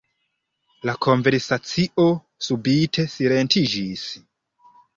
La konversacio subite silentiĝis.